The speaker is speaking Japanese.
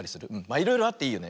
いろいろあっていいよね。